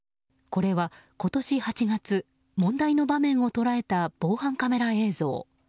これは今年８月問題の場面を捉えた防犯カメラ映像。